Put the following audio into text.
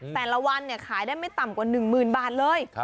แต่ละวันขายได้ไม่ต่ำกว่า๑๐๐๐บาทเลย